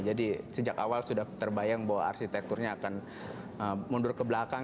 jadi sejak awal sudah terbayang bahwa arsitekturnya akan mundur ke belakang